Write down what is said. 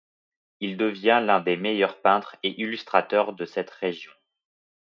Il devient l'un des meilleurs peintres et illustrateurs de cette région.